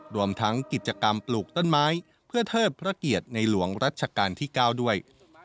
รวมทั้งกิจกรรมปลูกต้นไม้เพื่อเทิดพระเกียรติในหลวงรัชกาลที่๙ด้วย